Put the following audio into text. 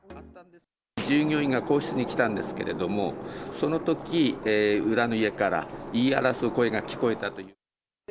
従業員が更衣室に来たんですけれども、そのとき、裏の家から言い争う声が聞こえたと。